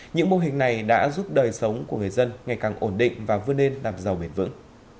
những mô hình này đã giúp đời sống của người dân ngày càng ổn định và vươn lên làm giàu bền vững